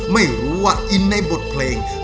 ไม่รู้ว่าอินในบทเพลง